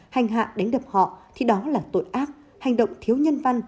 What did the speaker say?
hành hạ đánh đập họ thì đó là tội ác hành động thiếu nhân văn